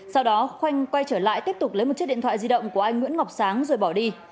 sau đó khoanh quay trở lại tiếp tục lấy một chiếc điện thoại di động của anh nguyễn ngọc sáng rồi bỏ đi